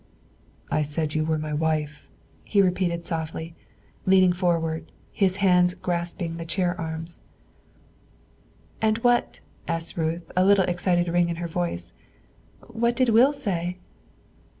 "I said you were my wife," he repeated softly, leaning forward, his hands grasping the chair arms. "And what," asked Ruth, a little excited ring in her voice, "what did Will say?"